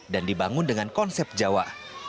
dan dibangun dengan konsep jawa